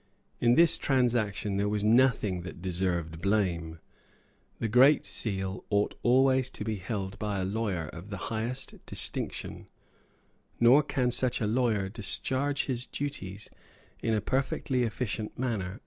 In this transaction there was nothing that deserved blame. The Great Seal ought always to be held by a lawyer of the highest distinction; nor can such a lawyer discharge his duties in a perfectly efficient manner unless, with the Great Seal, he accepts a peerage.